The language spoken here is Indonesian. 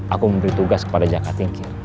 aku memberi tugas kepada jaka thinki